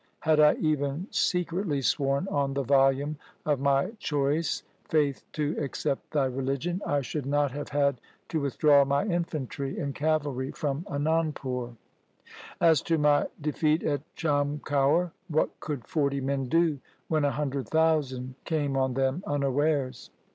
Had I even secretly sworn on the volume of my choice faith to accept thy religion, I should not have had to withdraw my infantry and cavalry from Anandpur. 1 < As to my defeat at Chamkaur, what could forty men do when a hundred thousand came on them unawares